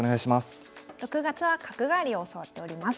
６月は角換わりを教わっております。